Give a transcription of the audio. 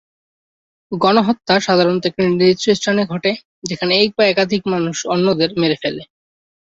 গণহত্যা সাধারণত একটি নির্দিষ্ট স্থানে ঘটে, যেখানে এক বা একাধিক মানুষ অন্যদের মেরে ফেলে।